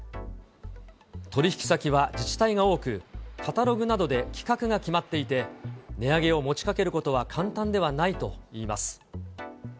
取引先は自治体が多く、カタログなどで規格が決まっていて、値上げを持ちかけることは簡単ではないといいます。